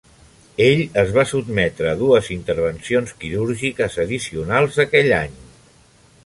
Ell es va sotmetre a dues intervencions quirúrgiques addicionals aquell any.